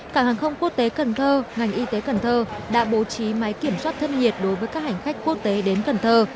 cảng hàng không quốc tế cần thơ ngành y tế cần thơ đã bố trí máy kiểm soát thân nhiệt đối với các hành khách quốc tế đến cần thơ